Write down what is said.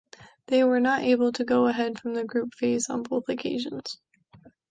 They were not able to go ahead from the group phase on both occasions.